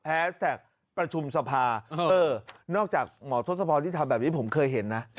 อ่าววววนอกจากหมอทศพรที่ทำแบบนี้ผมเคยเห็นนะ